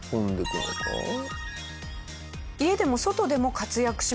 家でも外でも活躍します。